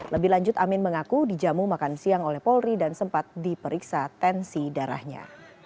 lebih lanjut amin mengaku dijamu makan siang oleh polri dan sempat diperiksa tensi darahnya